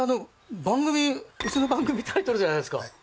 うちの番組タイトルじゃないですか！